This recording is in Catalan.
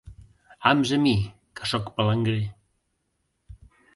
Hams a mi, que soc palangrer!